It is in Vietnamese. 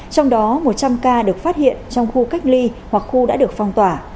trong đó một trăm linh ca được phát hiện trong khu cách ly hoặc khu đã được phong tỏa